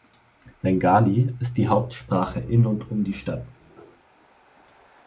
Bengali ist die Hauptsprache in und um die Stadt.